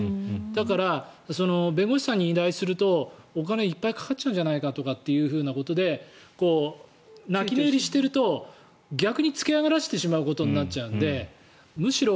だから、弁護士さんに依頼するとお金がいっぱいかかっちゃうんじゃないかということで泣き寝入りしていると逆に付け上がらせてしまうことになるのでむしろ